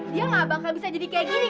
dia gak bakal bisa jadi kayak gini